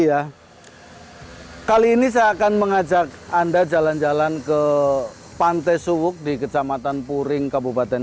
ya kali ini saya akan mengajak anda jalan jalan ke pantai suwuk di kecamatan puring kabupaten